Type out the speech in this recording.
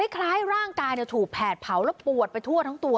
คล้ายร่างกายถูกแผดเผาแล้วปวดไปทั่วทั้งตัว